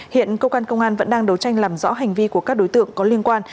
hiện công an vẫn đang đấu tranh làm rõ hành vi của các đối tượng có liên quan